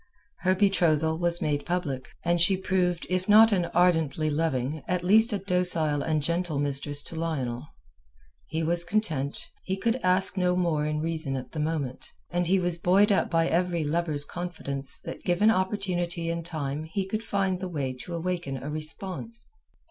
Her betrothal was made public, and she proved if not an ardently loving, at least a docile and gentle mistress to Lionel. He was content. He could ask no more in reason at the moment, and he was buoyed up by every lover's confidence that given opportunity and time he could find the way to awaken a response.